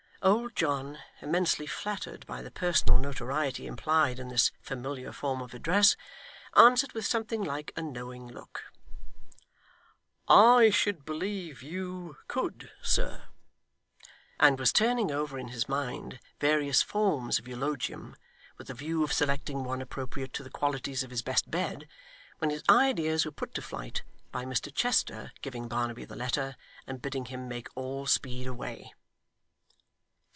Old John, immensely flattered by the personal notoriety implied in this familiar form of address, answered, with something like a knowing look, 'I should believe you could, sir,' and was turning over in his mind various forms of eulogium, with the view of selecting one appropriate to the qualities of his best bed, when his ideas were put to flight by Mr Chester giving Barnaby the letter, and bidding him make all speed away.